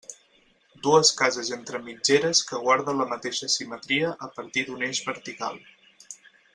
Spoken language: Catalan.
Dues cases entre mitgeres que guarden la mateixa simetria a partir d'un eix vertical.